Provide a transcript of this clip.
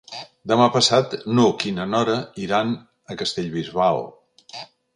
Demà passat n'Hug i na Nora iran a Castellbisbal.